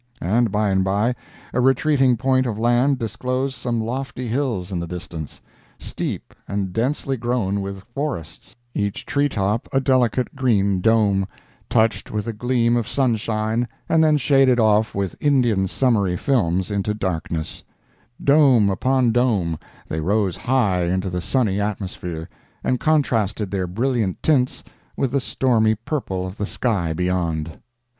And by and by a retreating point of land disclosed some lofty hills in the distance, steep and densely grown with forests—each tree top a delicate green dome, touched with a gleam of sunshine, and then shaded off with Indian summery films into darkness; dome upon dome, they rose high into the sunny atmosphere, and contrasted their brilliant tints with the stormy purple of the sky beyond.